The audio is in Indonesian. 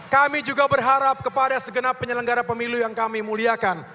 kami juga berharap kepada segenap penyelenggara pemilu yang kami muliakan